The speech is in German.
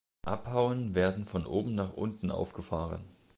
Abhauen werden von oben nach unten aufgefahren.